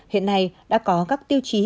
hiện nay đã có các tiêu chí